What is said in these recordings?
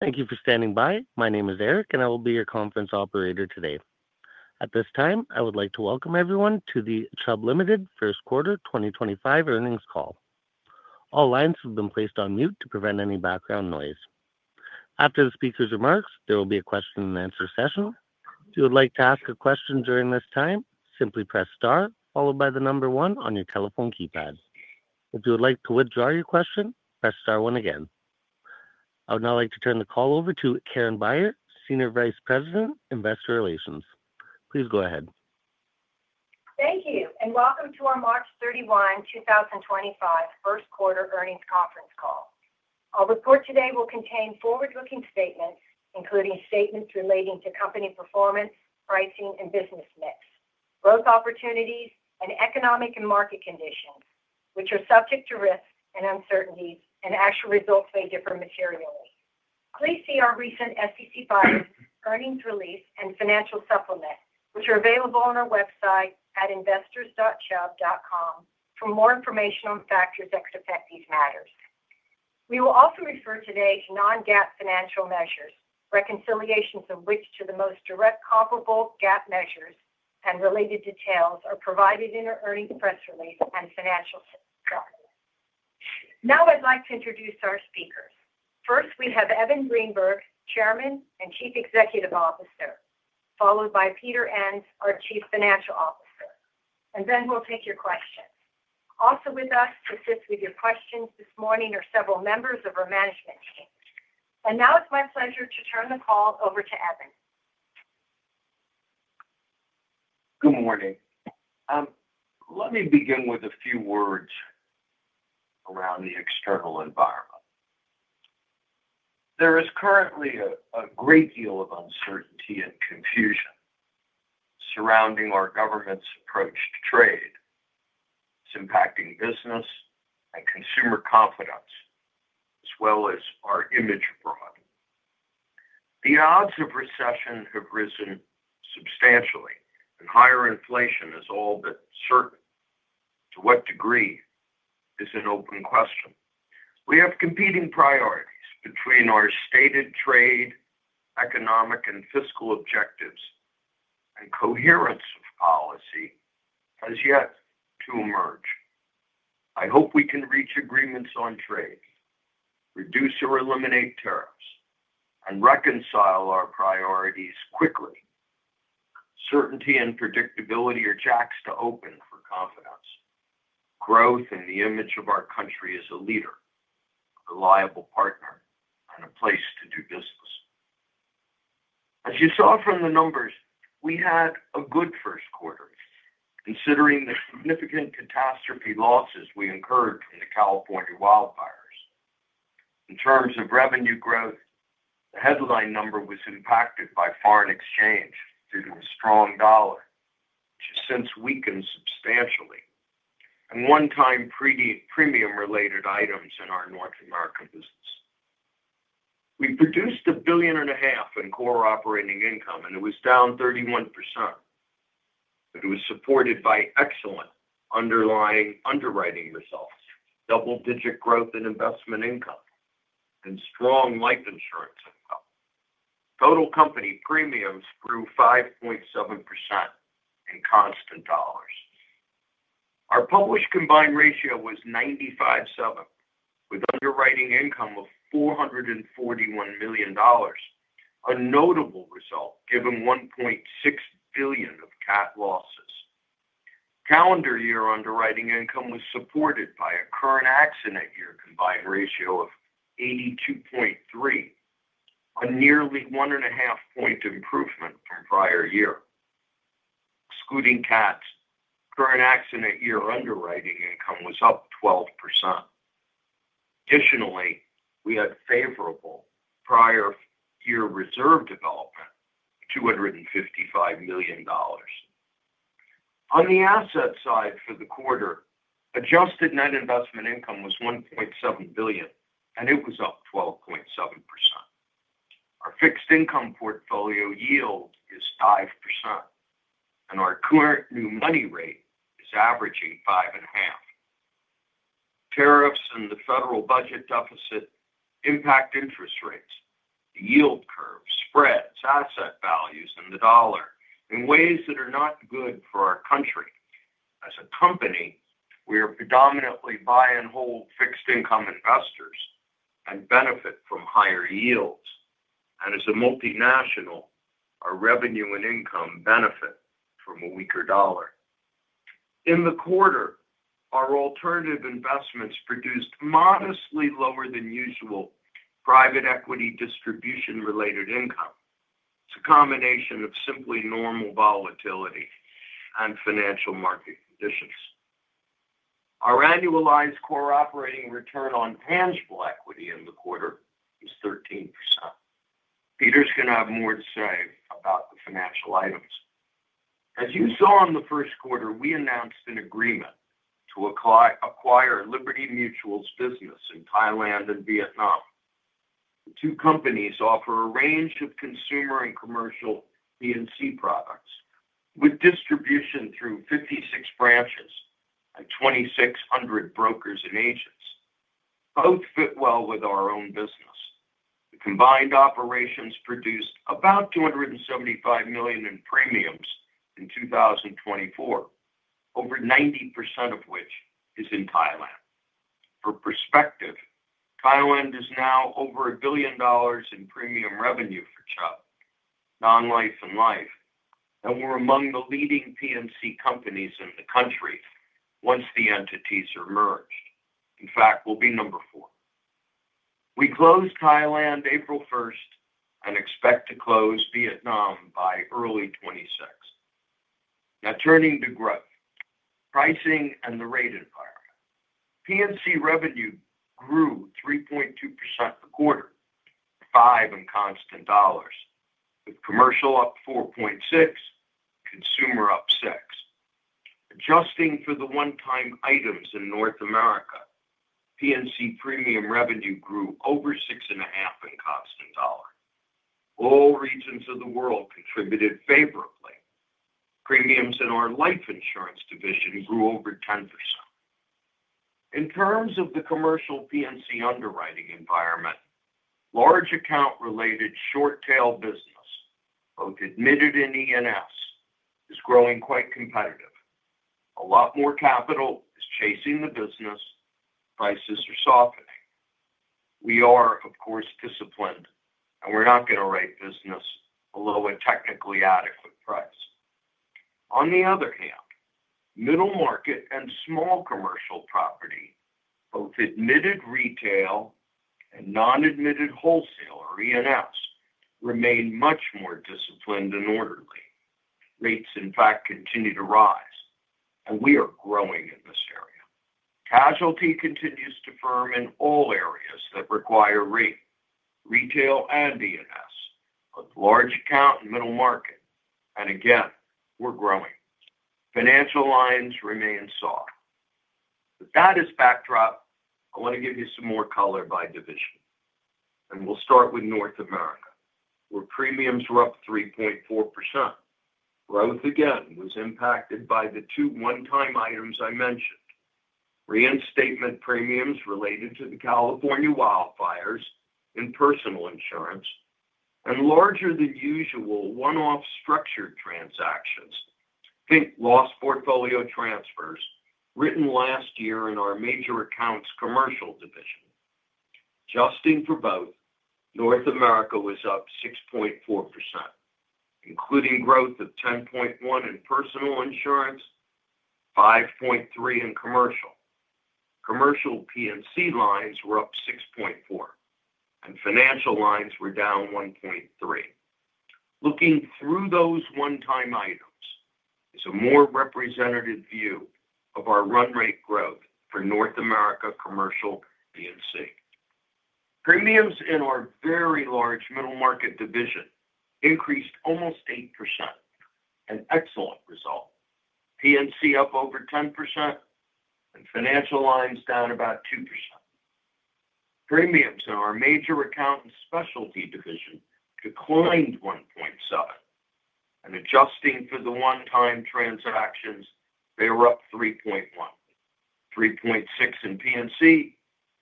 Thank you for standing by. My name is Eric and I will be your conference operator today. At this time I would like to welcome everyone to the Chubb Limited First Quarter 2025 Earnings Call. All lines have been placed on mute to prevent any background noise. After the Speaker's remarks there will be a question and answer session. If you would like to ask a question during this time, simply press star followed by the number one on your telephone keypad. If you would like to withdraw your question, press star one again. I would now like to turn the call over to Karen Beyer, Senior Vice President, Investor Relations. Please go ahead. Thank you and welcome to our March 31, 2025 first quarter earnings conference call. Our report today will contain forward looking statements including statements relating to company performance, pricing and business mix growth opportunities and economic and market conditions which are subject to risks and uncertainties and actual results may differ materially. Please see our recent SEC filings, earnings release and financial supplement which are available on our website at investors.chubb.com for more information on factors that could affect these matters. We will also refer today to non-GAAP financial measures, reconciliations of which to the most direct comparable GAAP measures and related details are provided in our earnings press release and financial. Now I'd like to introduce our speakers. First we have Evan Greenberg, Chairman and Chief Executive Officer, followed by Peter Enns, our Chief Financial Officer and then we'll take your questions. Also with us to assist with your questions this morning are several members of our management team and now it's my pleasure to turn the call over to Evan. Good morning. Let me begin with a few words around the external environment. There is currently a great deal of uncertainty and confusion surrounding our government's approach to trade. It's impacting business and consumer confidence as well as our image abroad. The odds of recession have risen substantially and higher inflation is all but certain. To what degree is an open question. We have competing priorities between our stated trade, economic and fiscal objectives and coherence of policy has yet to emerge. I hope we can reach agreements on trade, reduce or eliminate tariffs and reconcile our priorities quickly. Certainty and predictability are jacks to open for confidence growth in the image of our country as a leader, reliable partner and a place to do business. As you saw from the numbers, we had a good first quarter considering the significant catastrophe losses we incurred from the California wildfires in terms of revenue growth. The headline number was impacted by foreign exchange due to a strong dollar which has since weakened substantially and one-time premium related items in our North America business. We produced $1.5 billion in core operating income and it was down 31%. It was supported by excellent underlying underwriting results, double-digit growth in investment income, and strong life insurance. Total company premiums grew 5.7% in constant dollars. Our published combined ratio was 95.7% with underwriting income of $441 million, a notable result given $1.6 billion of Cat losses. Calendar year underwriting income was supported by a current accident year combined ratio of 82.3%, a nearly 1 and a half point improvement from prior year. Excluding Cats, current accident year underwriting income was up 12%. Additionally, we had favorable prior year reserve development of $255 million on the asset side for the quarter, adjusted net investment income was $1.7 billion and it was up 12.7%. Our fixed income portfolio yield is 5% and our current new money rate is averaging 5.5%. Tariffs and the federal budget deficit impact interest rates, yield curve spreads, asset values and the dollar in ways that are not good for our country. As a company, we are predominantly buy and hold fixed income investors and benefit from higher yields. As a multinational, our revenue and income benefit from a weaker dollar in the quarter. Our alternative investments produced modestly lower than usual private equity distribution related income. It is a combination of simply normal volatility and financial market conditions. Our annualized core operating return on tangible equity in the quarter was 13%. Peter's going to have more to say about the financial items. As you saw in the first quarter we announced an agreement to acquire Liberty Mutual's business in Thailand and Vietnam. The two companies offer a range of consumer and commercial P&C products with distribution through 56 branches and 2,600 brokers and agents. Both fit well with our own business. The combined operations produced about $275 million in premiums in 2024, over 90% of which is in Thailand. For perspective, Thailand is now over $1 billion in premium revenue for Chubb Non-Life and Life. We are among the leading P&C companies in the country. Once the entities are merged. In fact, we will be number four. We closed Thailand April 1 and expect to close Vietnam by early 2026. Now turning to growth, pricing, and the rate environment, P&C revenue grew 3.2% the quarter five in constant dollars with commercial up 4.6, consumer up 6. Adjusting for the one-time items in North America, P&C premium revenue grew over 6.5% in constant dollars. All regions of the world contributed favorably. Premiums in our Life Insurance division grew over 10%. In terms of the commercial P&C underwriting environment, large account related short tail business, both admitted and E&S, is growing quite competitive. A lot more capital is chasing the business. Prices are softening. We are, of course, disciplined and we're not going to write business below a technically adequate price. On the other hand, middle market and small commercial property, both admitted retail and non-admitted wholesale or E&S, remain much more disciplined and orderly. Rates, in fact, continue to rise and we are growing in this area. Casualty continues to firm in all areas that require rate, retail and E&S, large account and middle market, and again we're growing. Financial lines remain soft. With that as backdrop, I want to give you some more color by division and we'll start with North America where premiums were up 3.4%. Growth again was impacted by the two one-time items I mentioned. Reinstatement premiums related to the California wildfires in Personal Insurance and larger than usual one-off structured transactions. Think loss portfolio transfers written last year in our Major Accounts commercial division. Adjusting for both, North America was up 6.4%, including growth of 10.1% in Personal Insurance and 5.3% in commercial. Commercial P&C lines were up 6.4% and financial lines were down 1.3%. Looking through those one-time items is a more representative view of our run rate growth for North America. Commercial P&C premiums in our very large middle market division increased almost 8%, an excellent result. P&C up over 10% and financial lines down about 2%. Premiums in our Major Accounts and Specialty division declined 1.7%, and adjusting for the one-time transactions, they were up 3.1%, 3.6% in P&C,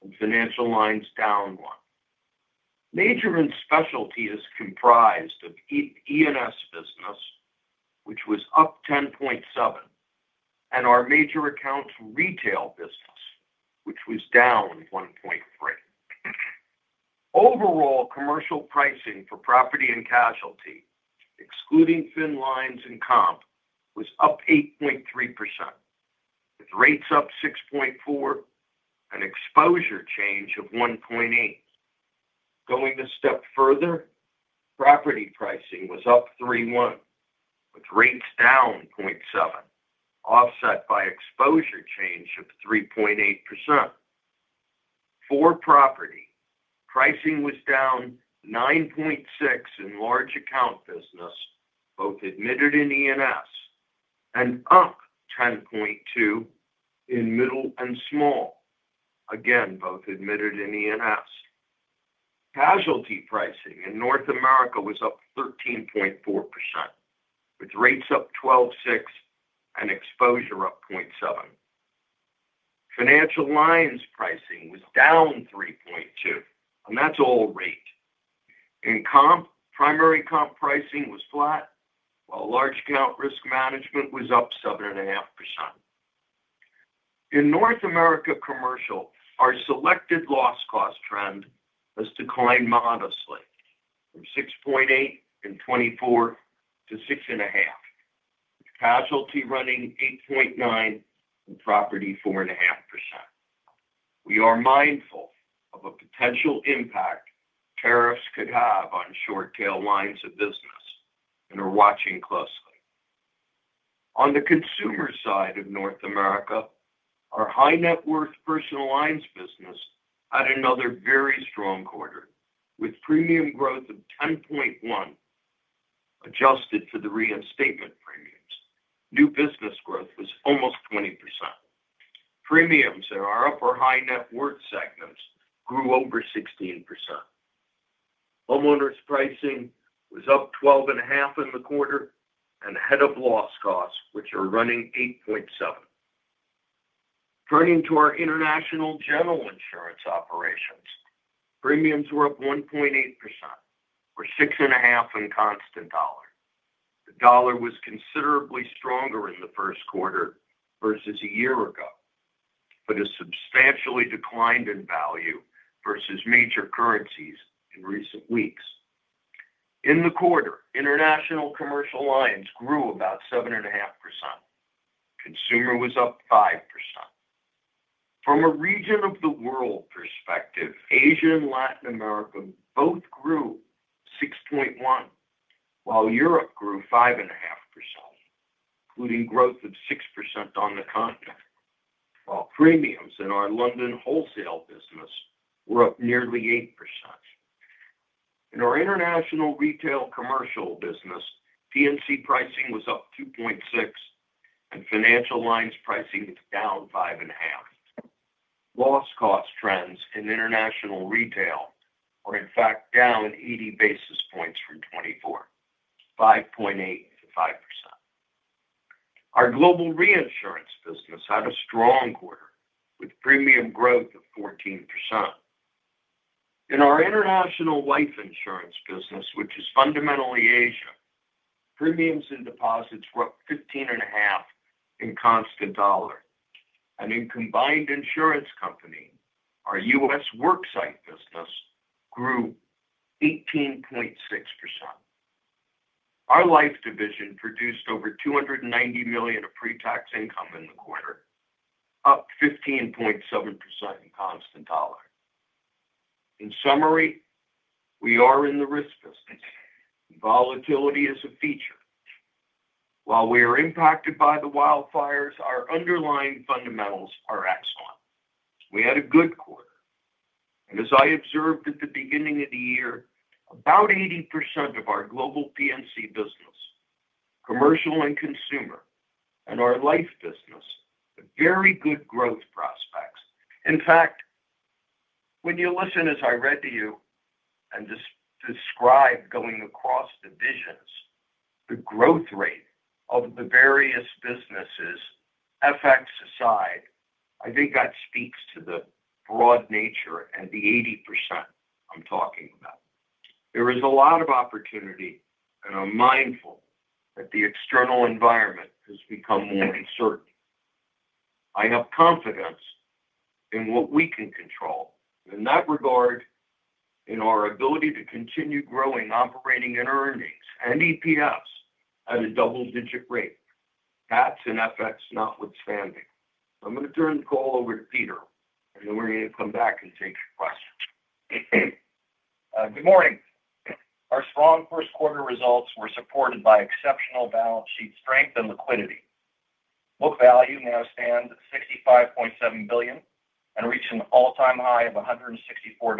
and financial lines down one. Major and specialty is comprised of E&S business, which was up 10.7%, and our Major Accounts retail business, which was down 1.3%. Overall commercial pricing for property and casualty, excluding fin lines and comp, was up 8.3%, with rates up 6.4% and exposure change of 1.8%. Going a step further, property pricing was up 3.1%, with rates down 0.7%, offset by exposure change of 3.8%. For property, pricing was down 9.6% in large account business, both admitted and E&S, and up 10.2% in middle and small, again both admitted and E&S. Casualty pricing in North America was up 13.4% with rates up 12.6% and exposure up 0.7. Financial lines pricing was down 3.2 and that's all rate in comp. Primary comp pricing was flat while large account risk management was up 7.5%. In North America Commercial our selected loss cost trend has declined modestly from 6.8 in '24 to six and a half, casualty running 8.9 and property 4.5%. We are mindful of a potential impact tariffs could have on short tail lines of business and are watching closely. On the consumer side of North America, our high net worth personal lines business had another very strong quarter with premium growth of 10.1. Adjusted for the reinstatement premiums, new business growth was almost 20%. Premiums in our upper high net worth segments grew over 16%. Homeowners pricing was up 12.5% in the quarter and ahead of loss costs which are running 8.7%. Turning to our international general insurance operations, premiums were up 1.8% or 6.5% in constant dollar. The dollar was considerably stronger in the first quarter versus a year ago, but it substantially declined in value versus major currencies in recent weeks. In the quarter, international commercial lines grew about 7.5%, consumer was up 5%. From a region of the world perspective, Asia and Latin America both grew 6.1% while Europe grew 5.5%, including growth of 6% on the continent, while premiums in our London wholesale business were up nearly 8%. In our international retail commercial business, P&C pricing was up 2.6% and financial lines pricing is down 5.5%. Loss cost trends in international retail are in fact down 80 basis points from 5.8%-5%. Our Global Reinsurance business had a strong quarter with premium growth of 14%. In our international life insurance business, which is fundamentally Asia, premiums and deposits were up 15.5% in constant dollar and in Combined Insurance Company our U.S. worksite business grew 18.6%. Our life division produced over $290 million of pre-tax income in the quarter, up 15.7% in constant dollar. In summary, we are in the risk business. Volatility is a feature. While we are impacted by the wildfires, our underlying fundamentals are excellent. We had a good quarter and as I observed at the beginning of the year, about 80% of our global P&C business, commercial and consumer, and our life business have very good growth prospects. In fact, when you listen as I read to you and just describe going across divisions, the growth rate of the various businesses, FX aside, I think that speaks to the broad nature and the 80% I'm talking about. There is a lot of opportunity and I'm mindful that the external environment has become more uncertain. I have confidence in what we can control in that regard, in our ability to continue growing operating and earnings and EPS at a double digit rate. That's an FX notwithstanding. I'm going to turn the call over to Peter and then we're going to come back and take your questions. Good morning. Our strong first quarter results were supported. By exceptional balance sheet strength and liquidity. Book value now stands at $65.7 billion and reached an all time high of $164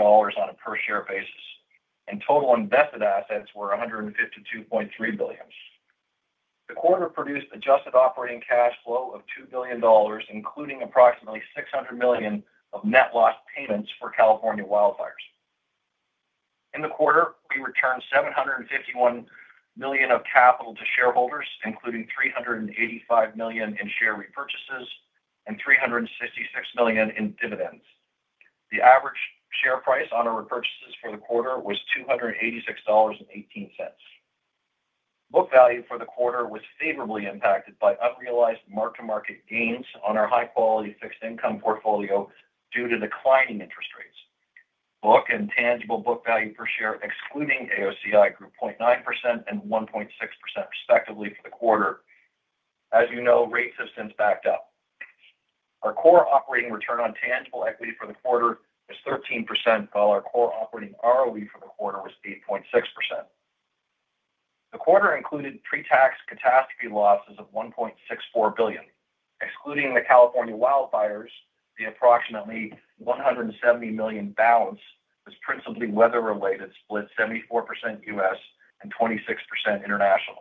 on a per share basis and total invested assets were $152.3 billion. The quarter produced adjusted operating cash flow of $2 billion including approximately $600 million of net loss payments for California wildfires in the quarter. We returned $751 million of capital to shareholders including $385 million in share repurchases and $366 million in dividends. The average share price on our repurchases for the quarter was $286.18. Book value for the quarter was favorably impacted by unrealized mark-to-market gains on our high quality fixed income portfolio due to declining interest rates. Book and tangible book value per share excluding AOCI grew 0.9% and 1.6% respectively for the quarter. As you know, rates have since backed up. Our core operating return on tangible equity for the quarter was 13% while our core operating ROE for the quarter was 8.6%. The quarter included pre-tax catastrophe losses of $1.64 billion excluding the California wildfires. The approximately $170 million balance was principally weather related, split 74% U.S. and 26% internationally.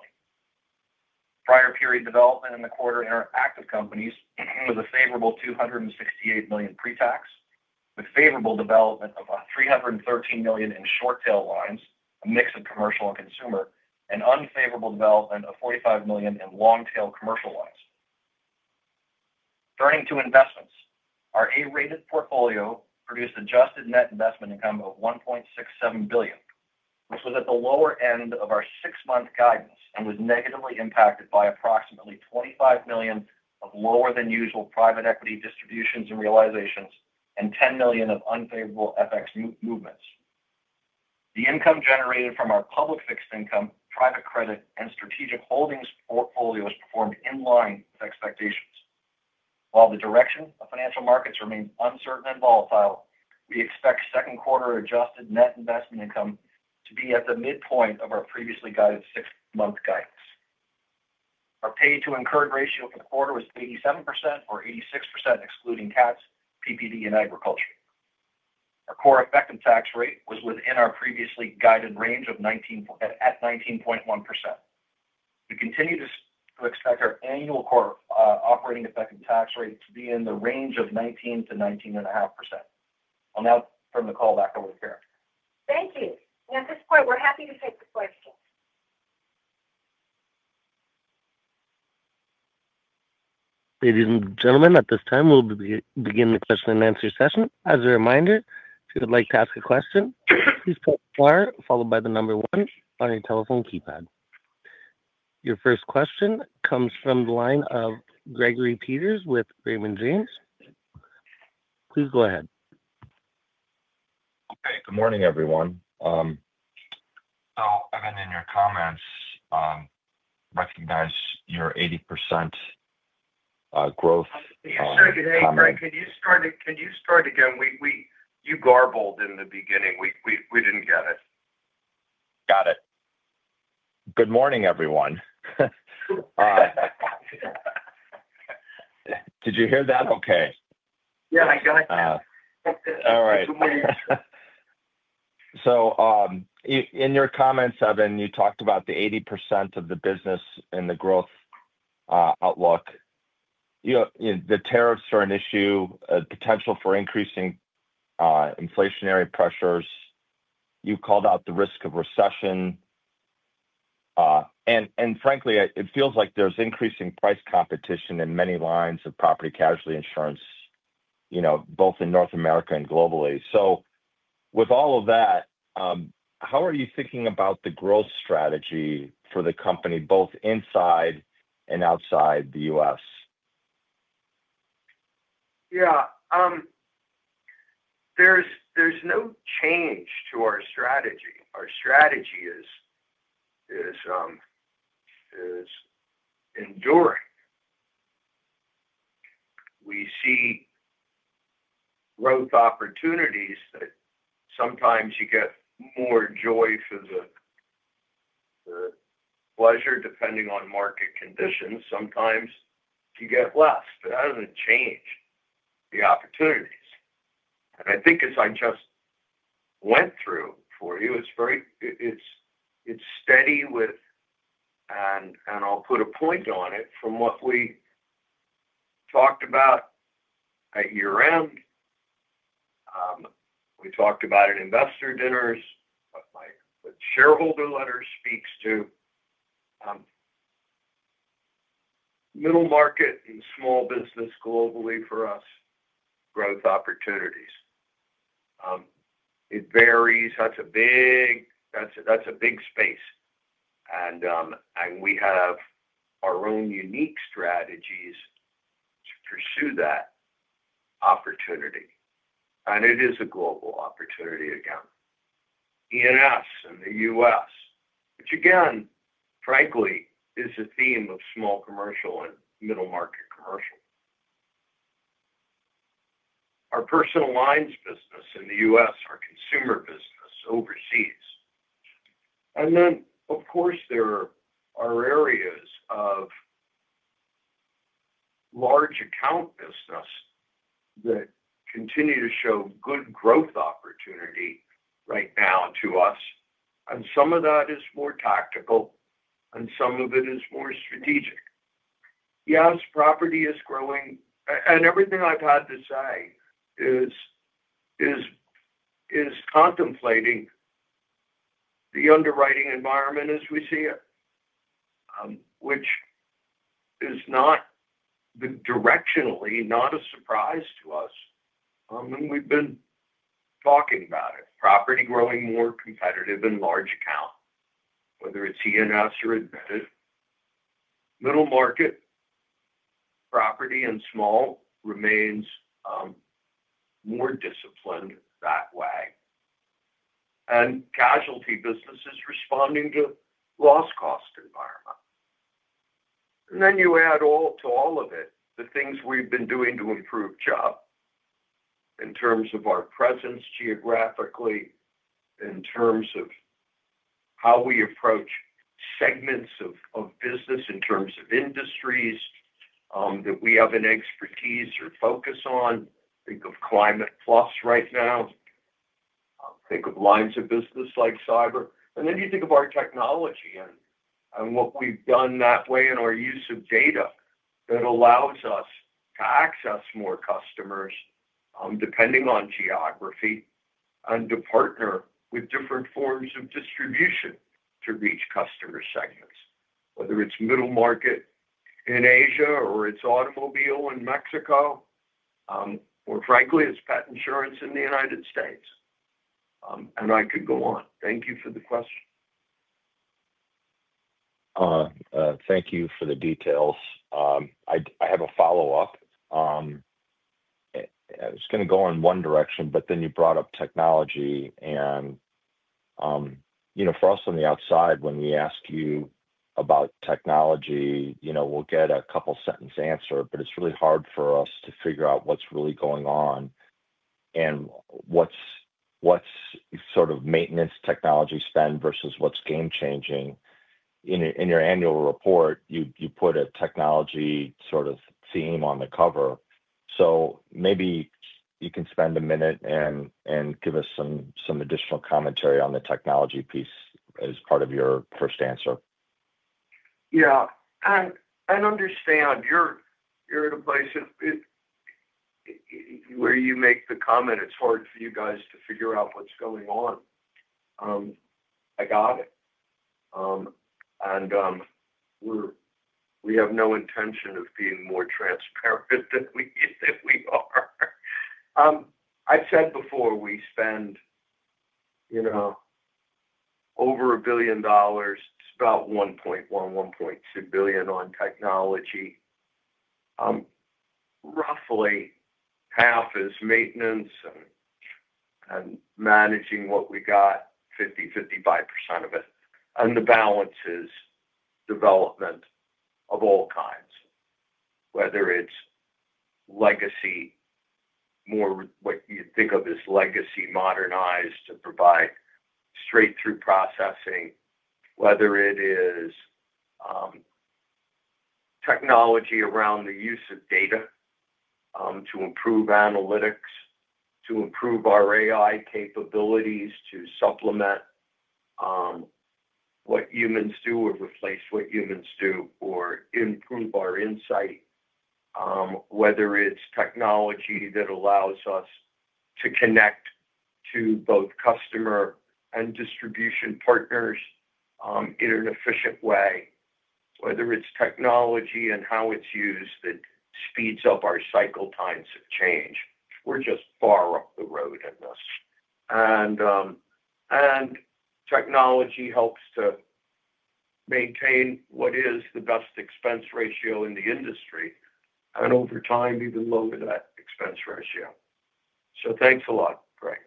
Prior period development in the quarter in our active companies was a favorable $268 million pre-tax, with favorable development of $313 million in short tail lines, a mix of commercial and consumer, and unfavorable development of $45 million in long tail commercial lines. Turning to investments, our A rated portfolio produced adjusted net investment income of $1.67 billion, which was at the lower end of our six month guidance and was negatively impacted by approximately $25 million of lower than usual private equity distributions and realizations and $10 million of unfavorable FX movements. The income generated from our public fixed income, private credit and strategic holdings portfolios performed in line with expectations. While the direction of financial markets remains uncertain and volatile, we expect second quarter adjusted net investment income to be at the midpoint of our previously guided six month guidance. Our paid-to-incurred ratio for the quarter was 87% or 86% excluding cats, PPD and agriculture. Our core effective tax rate was within our previously guided range at 19.1%. We continue to expect our annual core operating effective tax rate to be in the range of 19-19.5%. Now turn the call back over to Karen. Thank you. At this point, we're happy to take the questions. Ladies and gentlemen, at this time, we'll be beginning the question and answer session. As a reminder, if you would like to ask a question, please type star followed by the number one on your telephone keypad. Your first question comes from the line of Gregory Peters with Raymond James. Please go ahead. Okay. Good morning everyone. Evan, in your comments, recognize your 80% growth? Can you start again? You garbled in the beginning, we did not get it. Got it. Good morning everyone. Did you hear that? Okay. Yeah. All right. In your comments, Evan, you talked about the 80% of the business in the growth outlook. The tariffs are an issue, potential for increasing inflationary pressures. You called out the risk of recession. And frankly, it feels like there's increasing price competition in many lines of property and casualty insurance, you know, both in North America and globally. With all of that, how are you thinking about the growth strategy for the company both inside and outside the U.S.? Yeah, there's no change to our strategy. Our strategy is enduring. We see growth opportunities that sometimes you get more joy for the pleasure depending on market conditions. Sometimes you get less, but that doesn't change the opportunities. I think as I just went through for you, it's very steady with, and I'll put a point on it from what we talked about at year end. We talked about at investor dinners. My shareholder letter speaks to middle market and small business globally for U.S. growth opportunities. It varies. That's a big space. We have our own unique strategies to pursue that opportunity. It is a global opportunity. Again, E&S in the U.S., which again frankly is a theme of small commercial and middle market. Commercial, our personal lines business in the U.S., our consumer business overseas. Of course there are areas of large account business that continue to show good growth opportunity right now to us. Some of that is more tactical and some of it is more strategic. Yes, property is growing. Everything I've had to say is contemplating the underwriting environment as we see it, which is not directionally, not a surprise to us. We've been talking about it. Property growing more competitive and large account, whether it's E&S or admitted, middle market property and small remains more disciplined that way. Casualty businesses responding to loss cost, environment. You add to all of it the things we've been doing to improve jobs in terms of our presence geographically in terms of how we approach segments of business, in terms of industries that we have an expertise or focus on. Think of Climate+ right now, think of lines of business like cyber and then you think of our technology and what we've done that way in our use of data that allows us to access more customers depending on geography and to partner with different forms of distribution to reach customer segments, whether it's middle market in Asia or it's automobile in Mexico or frankly it's pet insurance in the United States. I could go on. Thank you for the question. Thank you for the details. I have a follow up. It's going to go in one direction but then you brought up technology and you know, for us on the outside when we ask you about technology, you know, we'll get a couple sentence answer. It is really hard for us to. Figure out what's really going on and what's sort of maintenance, technology spend versus what's game changing. In your annual report you put a technology sort of theme on the cover, so maybe you can spend a minute and give us some additional commentary on the technology piece as part of your first answer. Yeah. I understand you're in a place where you make the comment. It's hard for you guys to figure out what's going on. I got it. We have no intention of being more transparent than we are. I've said before we spend, you know, over $1 billion, it's about $1.1-$1.2 billion on technology. Roughly half is maintenance and managing what we got, 50-55% of it. The balance is development of all kinds. Whether it's legacy, more what you think of as legacy modernized to provide straight through processing. Whether it is technology around the use of data to improve analytics, to improve our AI capabilities, to supplement what humans do or replace what humans do or improve our insight. Whether it's technology that allows us to connect to both customer and distribution partners in an efficient way, whether it's technology and how it's used that speeds up our cycle times of change. We're just far up the road in this. Technology helps to maintain what is the best expense ratio in the industry and over time even lower that expense ratio. Thanks a lot, Greg.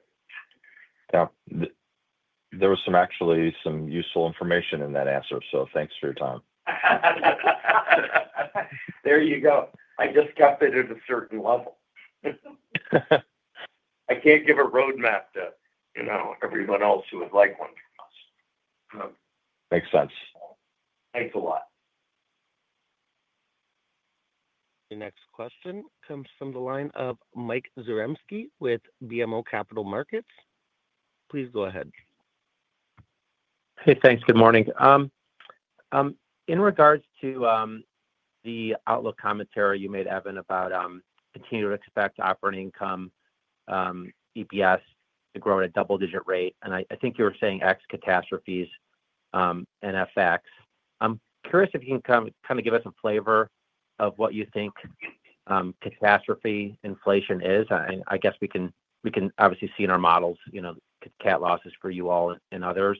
There was actually some useful information in that answer. Thanks for your time. There you go. I just kept it at a certain level. I can't give a roadmap to, you know, everyone else who would like one. Makes sense. Thanks a lot. Your next question comes from the line of Mike Zaremski with BMO Capital Markets. Please go ahead. Hey, thanks. Good morning. In regards to the outlook commentary you made, Evan, about continue to expect operating income EPS to grow at a double digit rate and I think you were saying X catastrophes and FX. I'm curious if you can kind of give us a flavor of what you think catastrophe inflation is. I guess we can obviously see in our models, you know, CAT losses for you all and others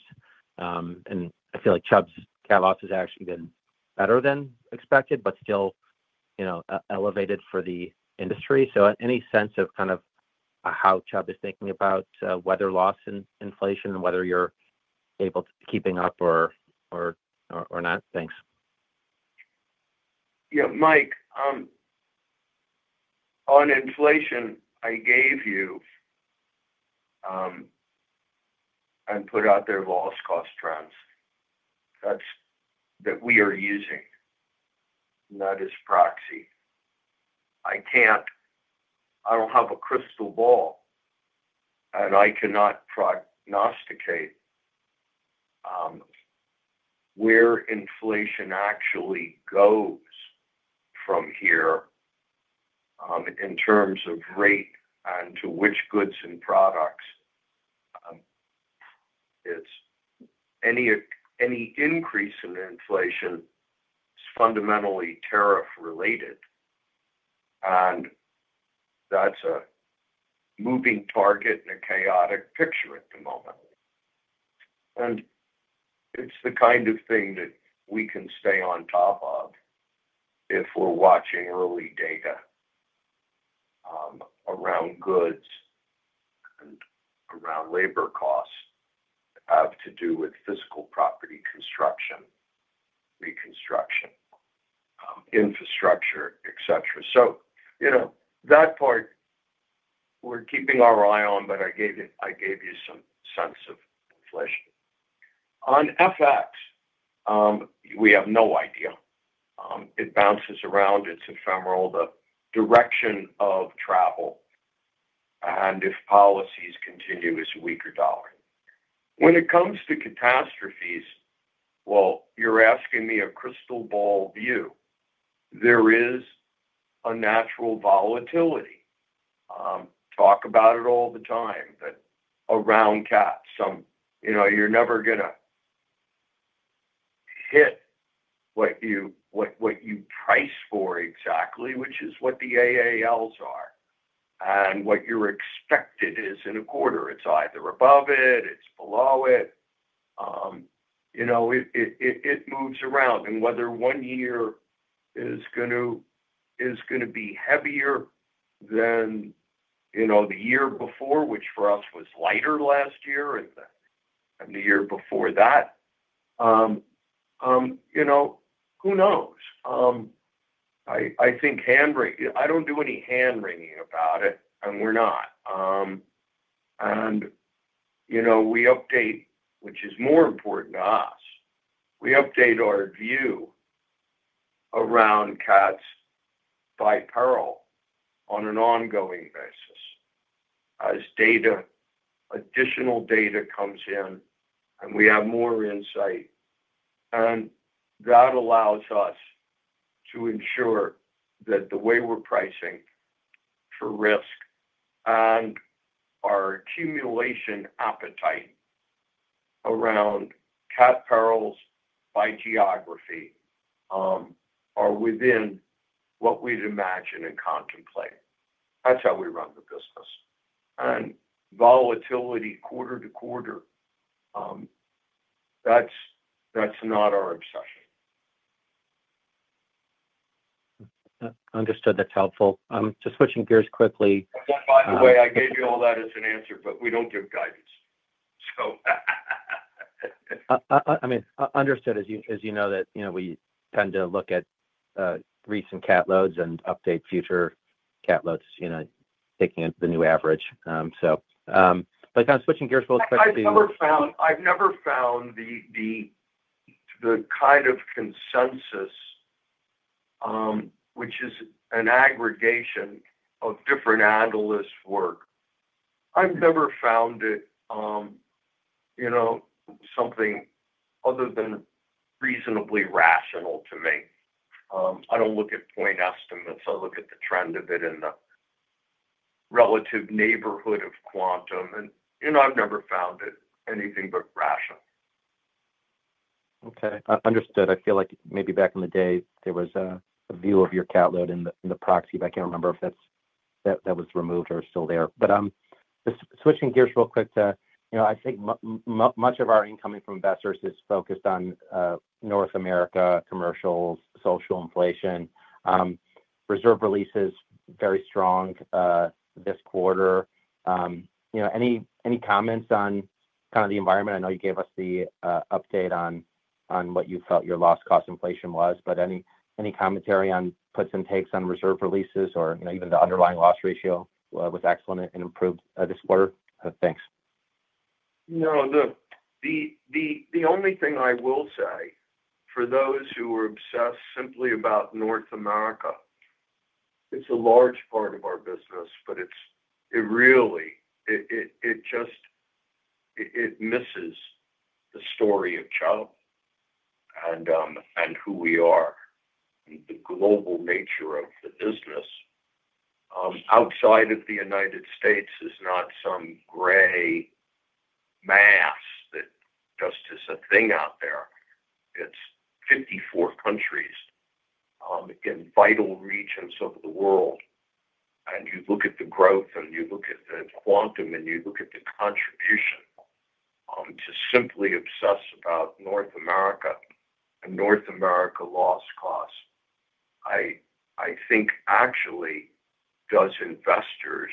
and I feel like Chubb's CAT loss has actually been better than expected but still, you know, elevated for the industry. So any sE&Se of kind of how Chubb is thinking about weather loss in inflation and whether you're able to keeping up or, or, or not. Thanks. Yeah Mike, on inflation I gave you and put out there loss cost trends that's that we are using not as proxy. I can't, I don't have a crystal ball and I cannot prognosticate where inflation actually goes from here in terms of rate on to which goods and products. Any increase in inflation is fundamentally tariff related and that's a moving target and a chaotic picture at the moment. It's the kind of thing that we can stay on top of if we're watching early data around goods and around labor costs have to do with physical property, construction, reconstruction, infrastructure, etc. You know that part we're keeping our eye on. I gave it, I gave you some sE&Se of inflation on FX. We have no idea. It bounces around, it's ephemeral, the direction of travel, and if policies continue as weaker dollars when it comes to catastrophes. You're asking me a crystal ball view. There is a natural volatility, talk about it all the time, that around cats, you know, you're never gonna hit what you price for exactly. Which is what the AALs are and what your expected is in a quarter, it's either above it, it's below it, you know, it moves around. Whether one year is going to be heavier than, you know, the year before, which for us was lighter last year and the year before that, you know, who knows. I think hand wringing, I don't do any hand wringing about it and we're not, and you know, we update, which is more important to us. We update our view around CATs by peril on an ongoing basis as data, additional data comes in and we have more insight and that allows us to E&Sure that the way we're pricing for risk and our accumulation appetite around CAT perils by geography are within what we'd imagine and contemplate. That's how we run the business. Volatility quarter to quarter, that's not our obsession. Understood. That's helpful. Just switching gears quickly by the way. I gave you all that as an answer but we don't give guidance. I mean, understood as you know, we tend to look at recent CAT loads and update future CAT loads, you know, taking the new average. Kind of switching gears, I've never found the kind of consensus which is an aggregation of different analysts work. I've never found it, you know, something other than reasonably rational to me. I don't look at points estimates, I look at the trend of it in the relative neighborhood of quantum and you know, I've never found it anything but rational. Okay, understood. I feel like maybe back in the day there was a view of your CAT load in the proxy, but I can't remember if that was removed or still there. Just switching gears real quick to, you know, I think much of our incoming from investors is focused on North America commercials. Social inflation reserve releases very strong this quarter. You know, any comments on kind of the environment. I know you gave us the update on what you felt your loss cost inflation was. Any commentary on puts and takes on reserve releases or, you know, even the underlying loss ratio was excellent and improved this quarter. Thanks. No, the only thing I will say for those who are obsessed simply about North America, it's a large part of our business, but it really, it just, it misses the story of Chubb and who we are. The global nature of the business outside of the United States is not some gray mass that just is a thing out there. It's 54 countries in vital regions of the world and you look at the growth and you look at the quantum and you look at the contribution to simply obsess about North America and North America loss cost I think actually does investors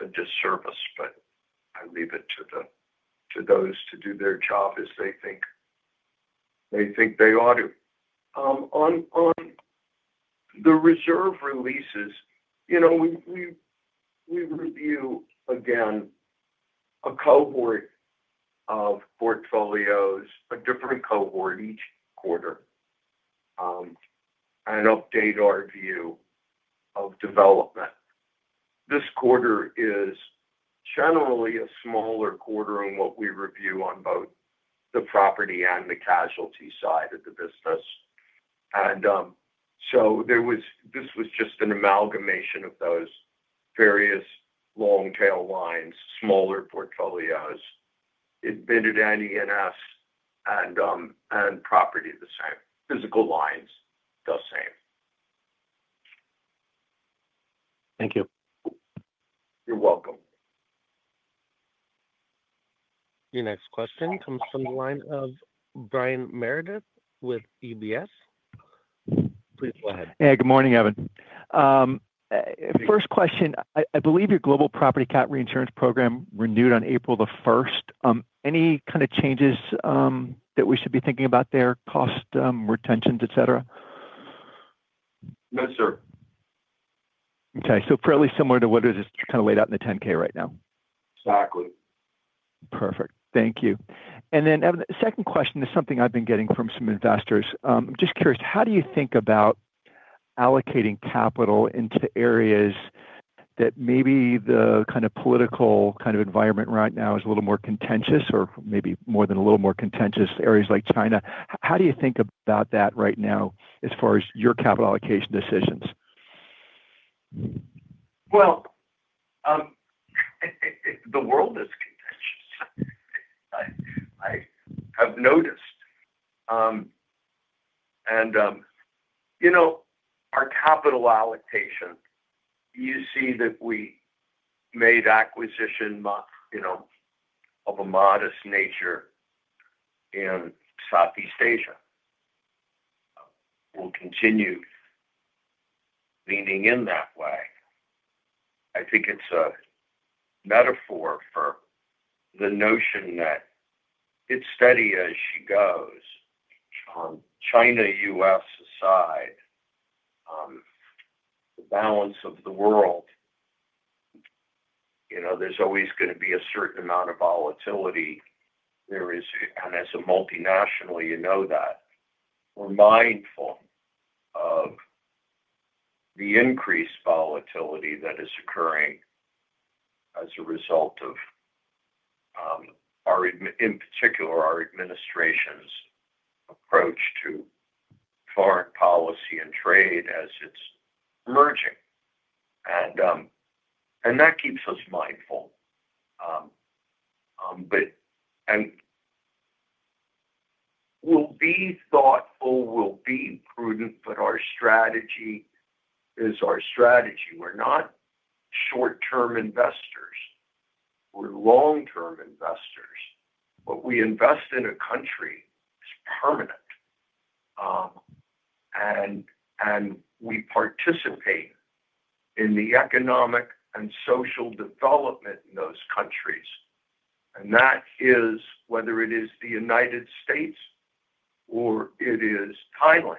a disservice. I leave it to those to do their job as they think they ought to on the reserve releases. You know, we review again a cohort of portfolios, a different cohort each quarter and update our view of development. This quarter is generally a smaller quarter than what we review on both the property and the casualty side of the business. There was, this was just an amalgamation of those various long tail lines, smaller portfolios in financial lines and E&S and property, the same physical lines, the same. Thank you. You're welcome. Your next question comes from the line of Brian Meredith with UBS, please go ahead. Yeah, good morning, Evan. First question, I believe your global property cat reinsurance program renewed on April 1st. Any kind of changes that we should be thinking about there, cost retentions, et cetera? No, sir. Okay, so fairly similar to what it is kind of laid out in the 10K right now. Exactly. Perfect. Thank you. Second question is something I've been getting from some investors. I'm just curious. How do you think about allocating capital into areas that maybe the kind of political kind of environment right now is a little more contentious or maybe more than a little more contentious areas like China. How do you think about that right now as far as your capital allocation decisions? Well, the world is contentious. I have noticed. You know, our capital allocation, you see that we made acquisition of a modest nature in Southeast Asia, will continue leaning in that way. I think it's a metaphor for the notion that it's steady as she goes, China, U.S. aside, the balance of the world, you know, there's always going to be a certain amount of volatility. There is. As a multinational, you know that we're mindful of the increased volatility that is occurring as a result of our, in particular our administration's approach to foreign policy and trade as it's emerging. That keeps us mindful. And will be thoughtful, will be prudent. Our strategy is our strategy. We're not short term investors, we're long term investors. What we invest in a country is permanent and we participate in the economic and social development in those countries. That is whether it is the United States or it is Thailand.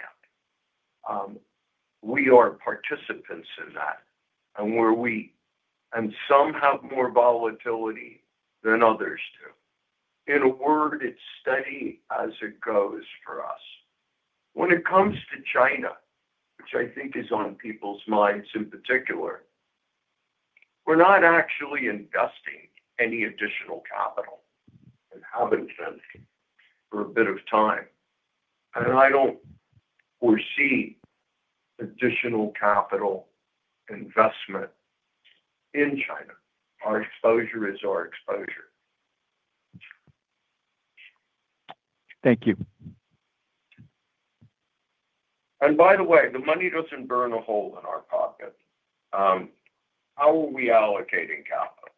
We are participants in that and we're weak. Some have more volatility than others do. In a word, it's steady as it goes for us when it comes to China, which I think is on people's minds in particular. We're not actually investing any additional capital and haven't been for a bit of time. I don't foresee additional capital investment in China. Our exposure is our exposure. Thank you. By the way, the money doesn't burn a hole in our pocket. How are we allocating capital?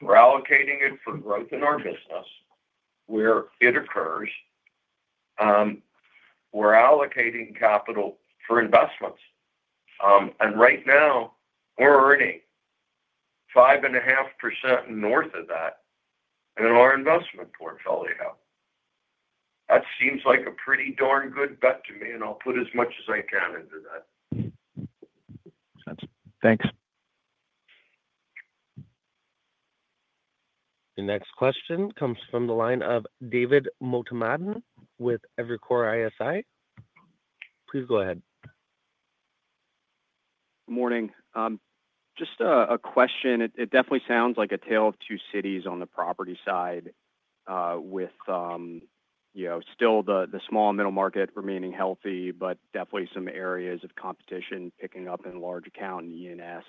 We're allocating it for growth in our business where it occurs. We're allocating capital for investments. Right now we're earning 5.5% north of that in our investment portfolio. That seems like a pretty darn good bet to me. I'll put as much as I can into that. Thanks. The next question comes from the line of David Motemaden with Evercore ISI, please go ahead. Morning. Just a question. It definitely sounds like a tale of two cities on the property side with, you know, still the small middle market remaining healthy but definitely some areas of competition picking up in large account E&S.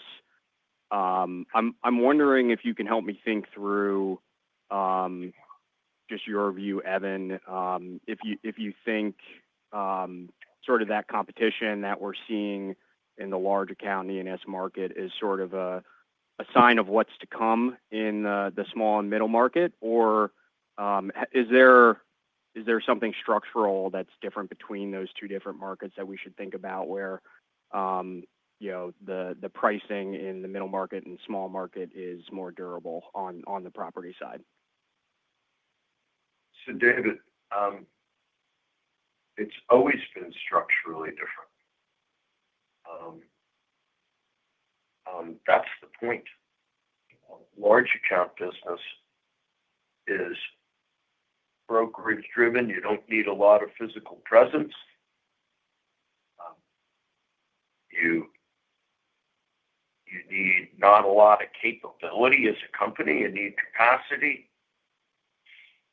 I'm wondering if you can help me think through just your view, Evan. If you think sort of that competition that we're seeing in the large account E&S market is sort of a sign of what's to come in the small and middle market or is there something structural that's different between those two different markets that we should think about where, you know, the pricing in the middle market and small market is more durable on the property side. David, it's always been structurally different. That's the point. Large account business is brokerage driven. You don't need a lot of physical presence, you need not a lot of capability as a company. You need capacity,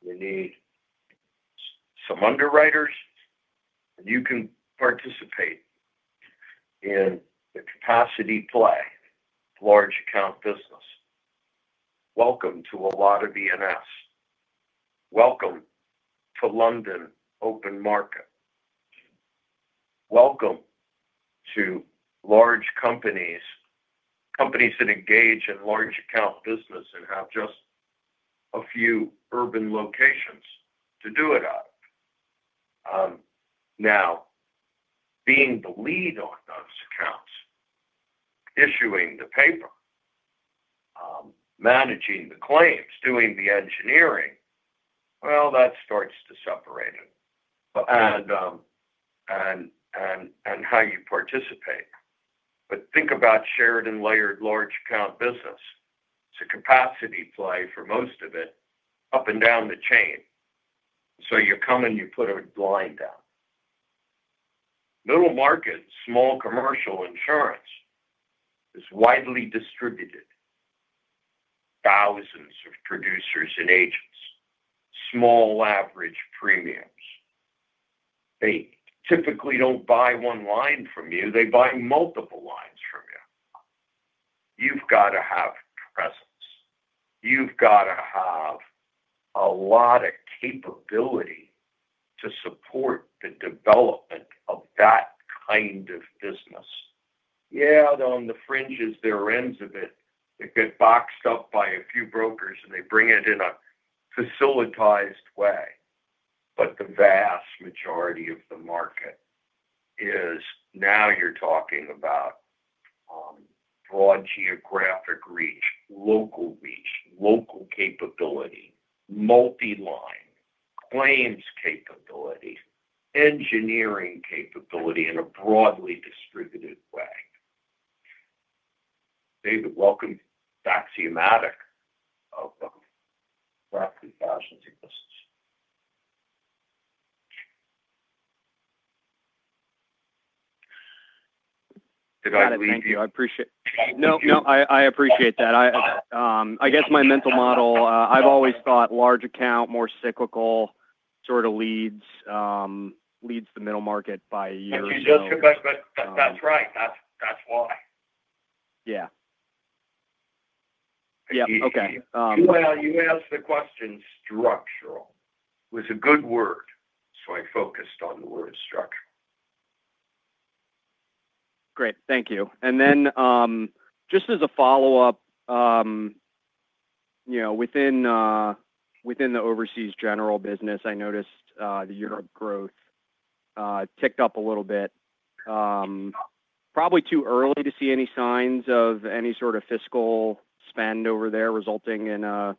you need some underwriters, you can participate in the capacity play. Large account business. Welcome to a lot of E&S. Welcome to London open market. Welcome to large companies, companies that engage in large account business and have just a few urban locations to do it out of. Now being the lead on those accounts, issuing the paper, managing the claims, doing the engineering, that starts to separate and how you participate. Think about shared and layered large account business. It's a capacity play for most of it up and down the chain. You come and you put a line down. Middle markets, small commercial insurance is widely distributed. Thousands of producers and agents, small average premiums. They typically do not buy one line from you, they buy multiple lines from you. You have got to have presence, you have got to have a lot of capability to support the development of that kind of business. Yeah, on the fringes there are ends of it. They get boxed up by a few brokers and they bring it in a facilitized way. The vast majority of the market is now you are talking about broad geographic reach, local reach, local capability, multiline claims capability, engineering capability in a broadly distributed way. David, welcome. of roughly thousands of lists. Thank you. I appreciate. No, no, I appreciate that. I guess my mental model, I've always thought large account, more cyclical, sort of leads, leads the middle market by year. That's right, that's why. Yeah. Okay. You asked the question structural was a good word. I focused on the word structural. Great, thank you. Just as a follow up, you know, within, within the overseas general business, I noticed the Europe growth ticked. Up a little bit. Probably too early to see any signs of any sort of fiscal spend over there resulting in an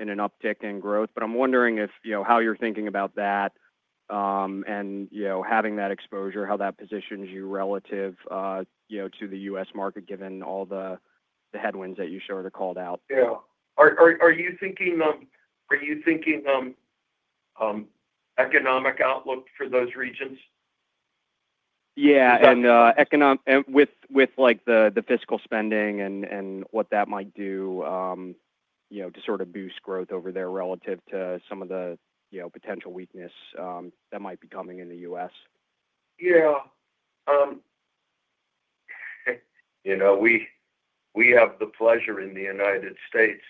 uptick in growth. I'm wondering if you know, how you're thinking about that and you know, having that exposure, how that positions you relative to the U.S. market given all the headwinds that you sort of called out. Yeah. Are you thinking economic outlook for those regions? Yeah. With like the fiscal spending and what that might do, you know, to sort of boost growth over there relative to some of the potential weaknesses that. Might be coming in the U.S. Yeah, you know, we have the pleasure in the United States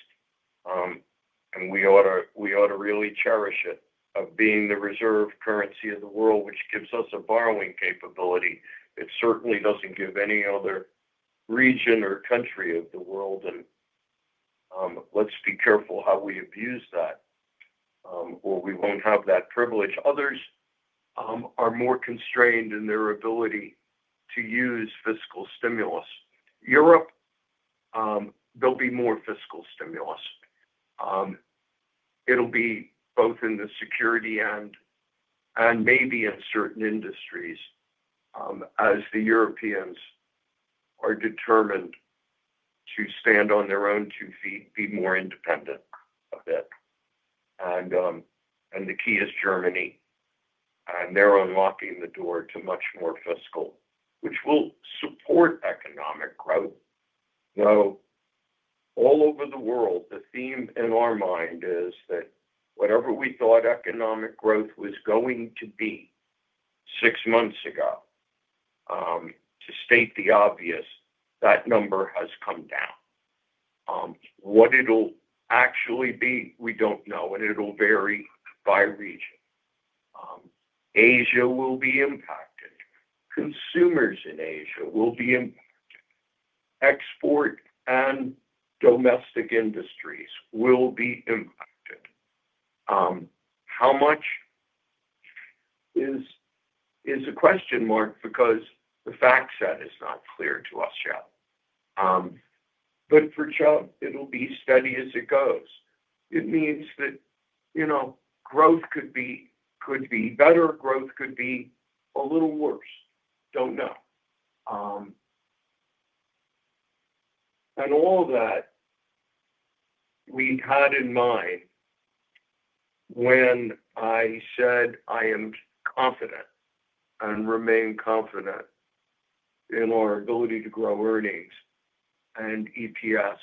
and we ought to, we ought to really cherish it, of being the reserve currency of the world, which gives us a borrowing capability. It certainly doesn't give any other region or country of the world, and let's be careful how we abuse that or we won't have that privilege. Others are more constrained in their ability to use fiscal stimulus. Europe, there will be more fiscal stimulus. It will be both in the security end and maybe in certain industries, as the Europeans are determined to stand on their own two feet, be more independent a bit. The key is Germany. They are unlocking the door to much more fiscal, which will support economic growth all over the world. The theme in our mind is that whatever we thought economic growth was going to be six months ago, to state the obvious, that number has come down. What it'll actually be, we don't know. It will vary by region. Asia will be impacted. Consumers in Asia will be impacted. Export and domestic industries will be impacted. How much is a question mark? Because the fact set is not clear to us yet. For Chubb, it will be steady as it goes. It means that, you know, growth could be, could be better, growth could be a little worse, don't know. All that we had in mind when I said I am confident and remain confident in our ability to grow earnings and EPS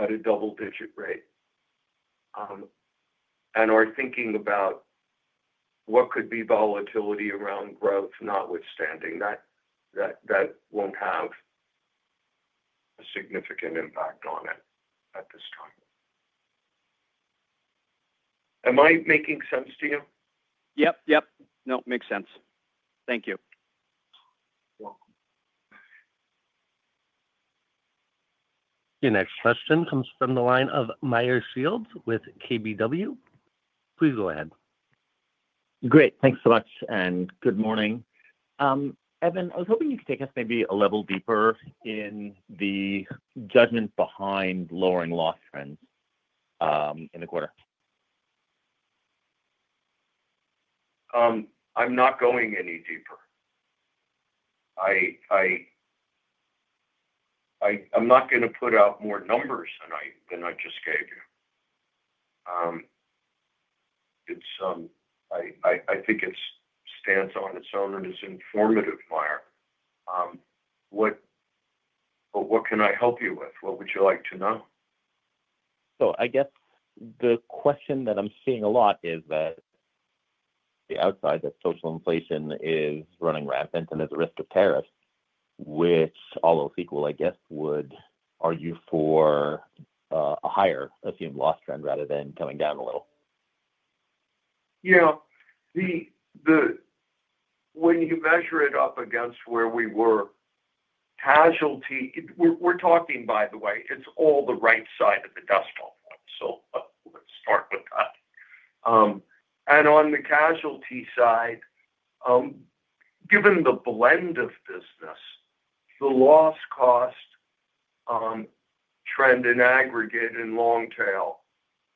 at a double digit rate and are thinking about what could be volatility around growth notwithstanding that will not have a significant impact on it at this time. Am I making sE&Se to you? Yep, yep. No, makes sE&Se. Thank you. Your next question comes from the line of Meyer Shields with KBW. Please go ahead. Great. Thanks so much and good morning. Evan, I was hoping you could take us maybe a level deeper in the judgment behind lowering loss trends in the quarter. I'm not going any deeper. I'm not going to put out more numbers than I just gave you. I think it stands on its own and it's informative. Meyer, what can I help you with? What would you like to know? I guess the question that I'm seeing a lot is that outside that social inflation is running rampant and. There's a risk of tariffs, which all. Else equal, I guess would argue for a higher assumed loss trend rather than coming down a little. Yeah. When you measure it up against where we were casualty, we're talking, by the way, it's all the right side of the decimal. Let's start with that. On the casualty side, given the blend of business, the loss cost trend in aggregate and long tail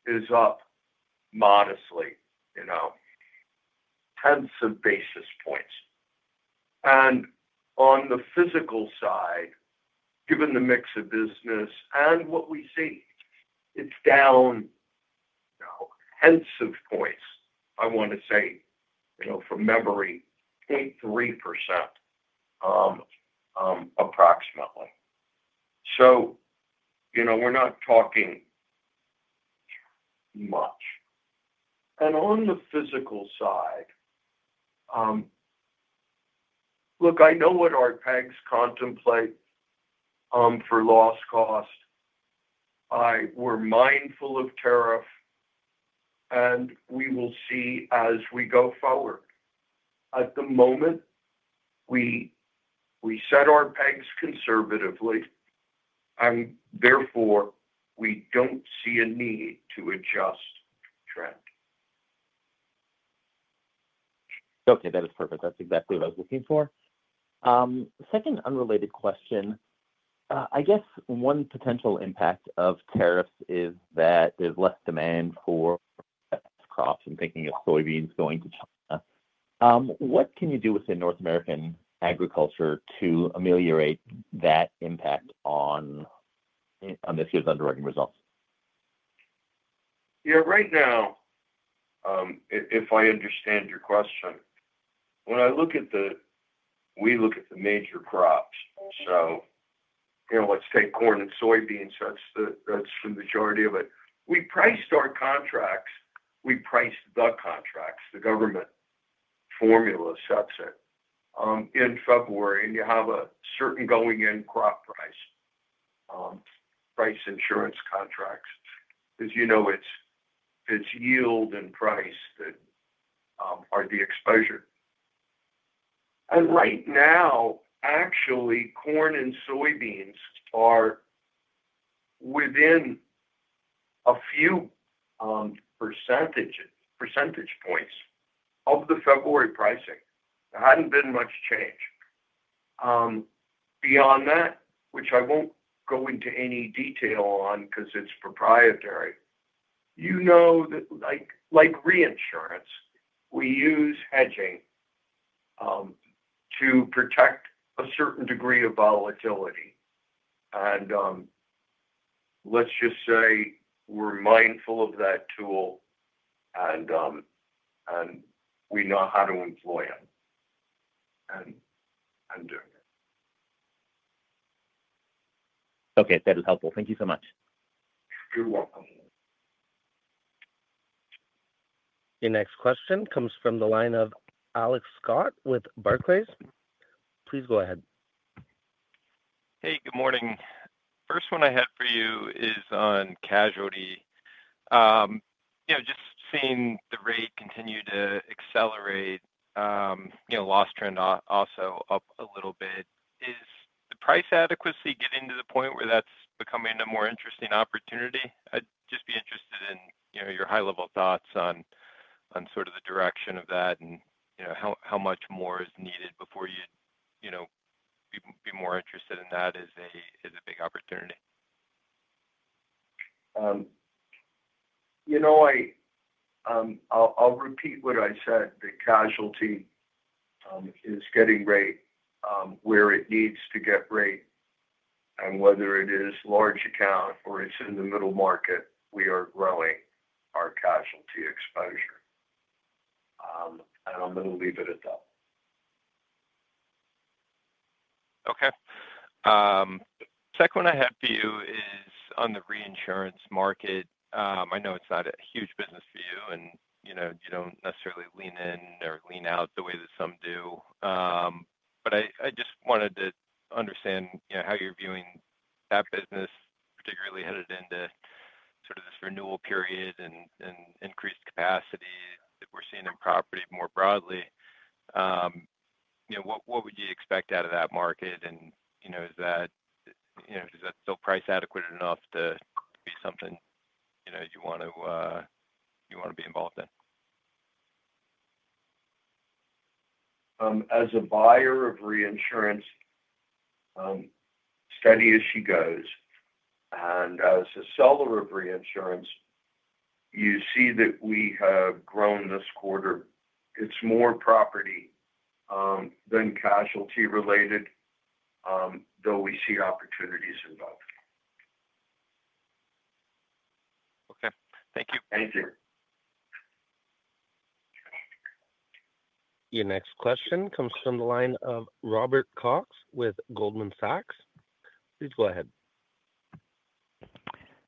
is up modestly, you know, tenths of basis points. On the physical side, given the mix of business and what we see, it's down tE&S of points. I want to say, you know, from memory, 3% approximately. You know, we're not talking much. On the physical side, look, I know what our pegs contemplate for loss cost. I am mindful of tariff and we will see as we go forward. At the moment we set our pegs conservatively and therefore we do not see a need to adjust trend. Okay, that is perfect. That's exactly what I was looking for. Second, unrelated question, I guess one potential impact of tariffs is that there's less demand for crops. Thinking of soybeans going to China. What can you do within North American agriculture to ameliorate that impact on this year's underwriting results? Yeah, right. Now if I understand your question, when I look at the. We look at the major crops. So you know, let's take corn and soybeans. That's the majority of it. We priced our contracts. We priced the contracts. The government formula sets it in February and you have a certain going in crop price, price, insurance contracts. As you know, it's, it's yield and price that are the exposure. And right now actually corn and soybeans are within a few percentage points of the February pricing. There hadn't been much change beyond that, which I won't go into any detail on because it's proprietary. You know, that like reinsurance, we use hedging to protect a certain degree of volatility. Let's just say we're mindful of that tool and we know how to employ it. Okay, that is helpful. Thank you so much. You're welcome. The next question comes from the line of Alex Scott with Barclays. Please go ahead. Hey, good morning. First one I had for you is on casualty. You know, just seeing the rate continue to accelerate, you know, loss trend also up a little bit. Is the price adequacy getting to the point where that's becoming a more interesting opportunity? I'd just be interested in your high level thoughts on sort of the direction of that and how much more is needed before you be more interested in that as a big opportunity. You know, I'll repeat what I said. The casualty is getting rate where it needs to get rate. Whether it is large account or it's in the middle market, we are growing our casualty exposure and I'm going to leave it at that. Okay. Second one I have for you is on the reinsurance market. I know it's not a huge business for you and you know, you don't necessarily lean in or lean out the way that some do. I just wanted to understand how you're viewing that business particularly headed into sort of this renewal period and increased capacity that we're seeing in property more broadly. What would you expect out of that market? You know, is that still price adequate enough to be something, you know, you want to, you want to be involved in? As a buyer of reinsurance, steady as she goes. As a seller of reinsurance, you see that we have grown this quarter. It is more property than casualty related though. We see opportunities involved. Okay, thank you. Thank you. Your next question comes from the line of Robert Cox with Goldman Sachs. Please go ahead.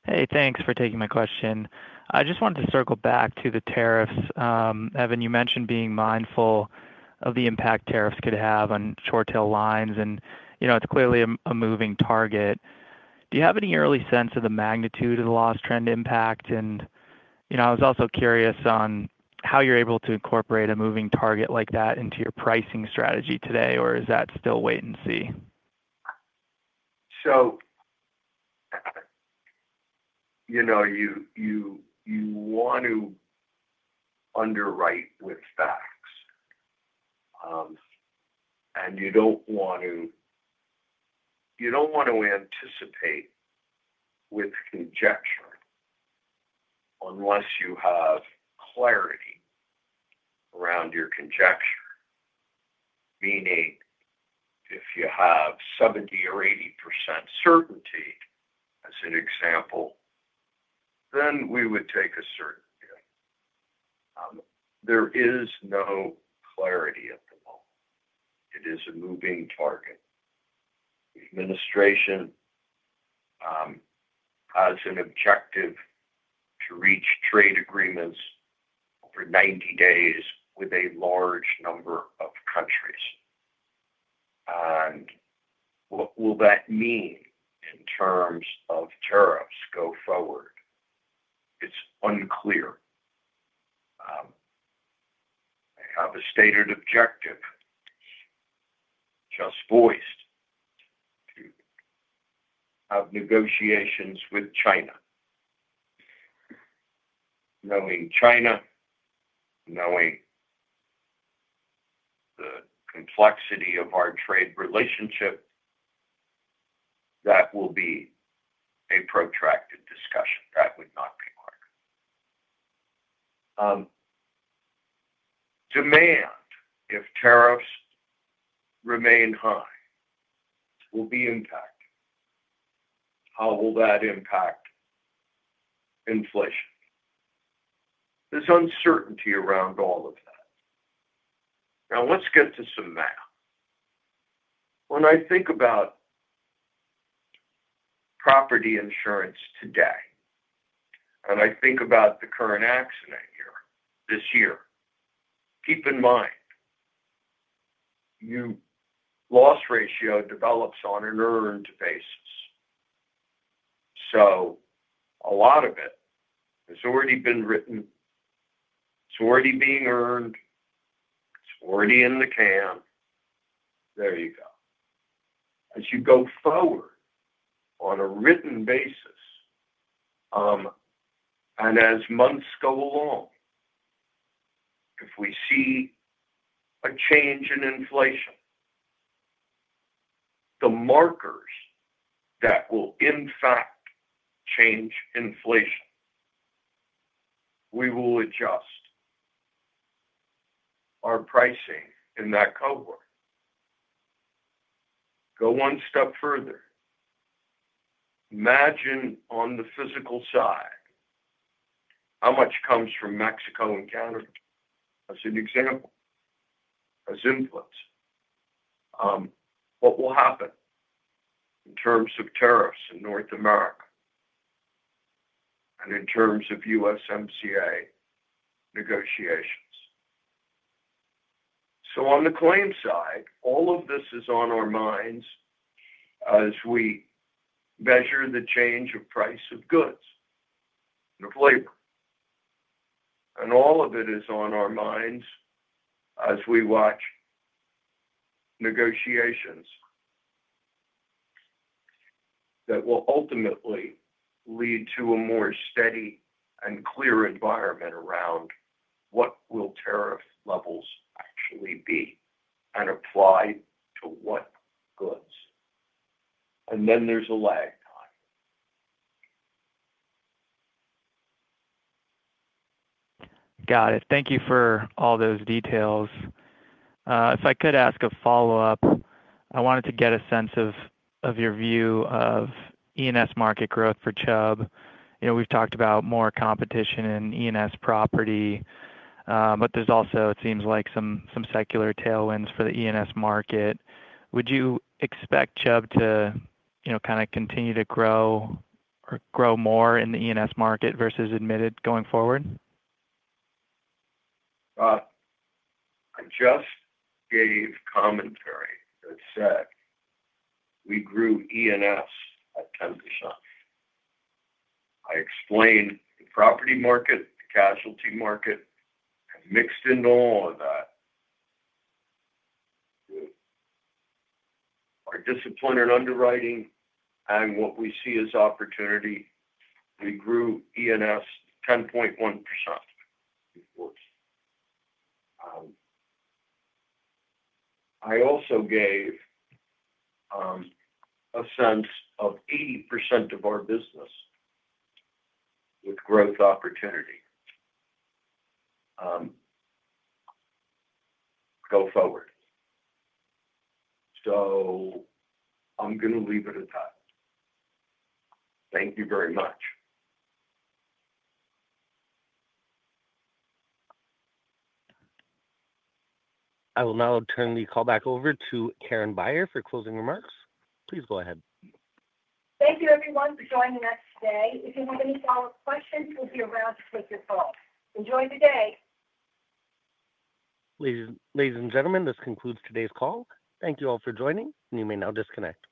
Hey, thanks for taking my question. I just wanted to circle back to the tariffs. Evan, you mentioned being mindful of the impact tariffs could have on short tail lines. You know, it's clearly a moving target. Do you have any early sE&Se of the magnitude of the loss trend, impact? You know, I was also curious on how you're able to incorporate a moving target like that into your pricing strategy today. Is that still wait and see? You know, you want to underwrite with facts and you do not want to anticipate with conjecture unless you have clarity around your conjecture, meaning if you have 70% or 80% certainty as an example, then we would take a certain deal. There is no clarity at the moment. It is a moving target. The administration has an objective to reach trade agreements for 90 days with a large number of countries. What will that mean in terms of tariffs going forward? It is unclear. I have a stated objective just voiced to have negotiations with China. Knowing China, knowing the complexity of our trade relationship, that will be a protracted discussion. That would not be quick. Demand, if tariffs remain high, will be impacted. How will that impact inflation? There is uncertainty around all of that. Now let's get to some math. When I think about property insurance today and I think about the current accident year this year, keep in mind, new loss ratio develops on an earned basis. So a lot of it has already been written, it's already being earned, it's already in the can. There you go. As you go forward on a written basis and as months go along, if we see a change in inflation, the markers that will in fact change inflation, we will adjust our pricing in that cohort. Go one step further. Imagine on the physical side how much comes from Mexico and Canada as an example, as inputs, what will happen in terms of tariffs in North America and in terms of USMCA negotiations. On the claim side, all of this is on our minds as we measure the change of price of goods of labor. All of it is on our minds as we watch negotiations that will ultimately lead to a more steady and clear environment around what will tariff levels actually be and apply to what goods. There is a lag time. Got it. Thank you for all those details. If I could ask a follow up, I wanted to get a sE&Se of your view of E&S market growth for Chubb. You know, we've talked about more competition in E&S property, but there's also, it seems like some secular tailwinds for the E&S market. Would you expect Chubb to kind of continue to grow or grow more in the E&S market versus admitted going forward? I just gave commentary that said we grew E&S at 10%. I explained the property market, the casualty market, and mixed into all of that, our discipline in underwriting and what we see as opportunity, we grew E&S 10.1%. I also gave a sense of 80% of our business with growth opportunity. Go forward. I am going to leave it at that. Thank you very much. I will now turn the call back over to Karen Beyer for closing remarks. Please go ahead. Thank you everyone for joining us today. If you have any follow up questions, we'll be around to take your call. Enjoy the day. Ladies and gentlemen, this concludes today's call. Thank you all for joining and you may now disconnect.